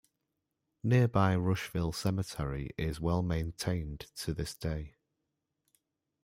Nearby Rushville Cemetery is well maintained to this day.